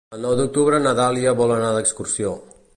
El nou d'octubre na Dàlia vol anar d'excursió.